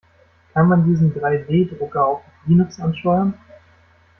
Kann man diesen Drei-D-Drucker auch mit Linux ansteuern?